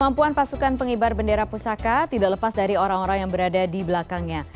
kemampuan pasukan pengibar bendera pusaka tidak lepas dari orang orang yang berada di belakangnya